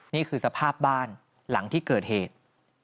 นี่คือสภาพบ้านหลังที่เกิดเหตุ